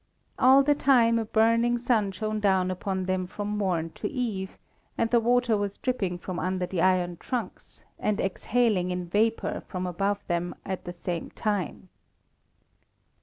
All the time a burning sun shone down upon them from morn to eve, and the water was dripping from under the iron trunks, and exhaling in vapour from above them at the same time.